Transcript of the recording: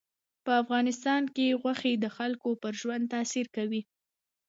په افغانستان کې غوښې د خلکو پر ژوند تاثیر کوي.